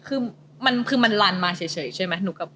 คือมันลันมาเฉยใช่ไหม